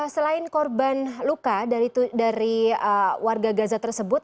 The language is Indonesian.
selain korban luka dari warga gaza tersebut